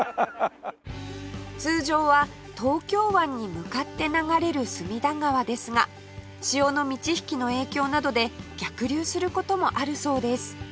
通常は東京湾に向かって流れる隅田川ですが潮の満ち引きの影響などで逆流する事もあるそうです